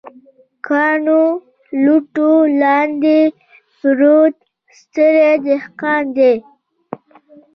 کاڼو، لوټو لاندې پروت ستړی دهقان دی